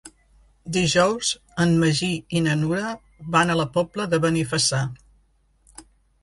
Dijous en Magí i na Nura van a la Pobla de Benifassà.